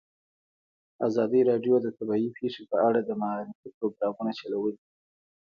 ازادي راډیو د طبیعي پېښې په اړه د معارفې پروګرامونه چلولي.